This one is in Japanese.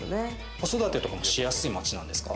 子育てとかもしやすい街なんですか？